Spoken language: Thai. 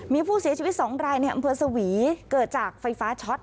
มีผู้เสียชีวิต๒รายในอำเภอสวีเกิดจากไฟฟ้าช็อต